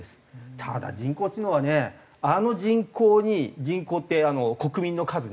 ただ人工知能はねあの人口に人口って国民の数ね。